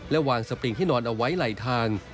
และวางสปริงที่นอนเอาไว้ไหลทาง